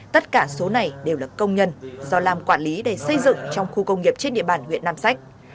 tất cả số này đều là công nhân do lam quản lý để xây dựng trong khu công nghiệp trên địa bàn huyện nam sách